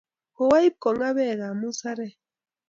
Kawo ip kong'aa pekap musarek